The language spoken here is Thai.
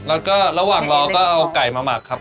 แล้วก็ระหว่างรอก็เอาไก่มาหมักครับ